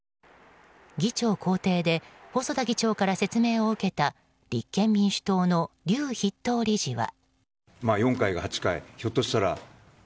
議長公邸で細田議長から説明を受けた立憲民主党の笠筆頭理事は。